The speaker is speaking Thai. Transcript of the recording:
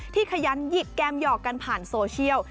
ขยันหยิกแกมหยอกกันผ่านโซเชียล